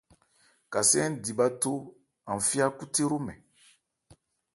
Kasé ń di bháthó an fí ákhúthé hromɛn.